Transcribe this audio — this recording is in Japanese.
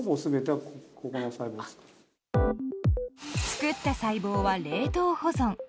作った細胞は冷凍保存。